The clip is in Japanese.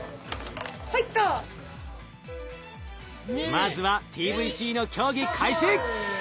まずはＴＶＣの競技開始。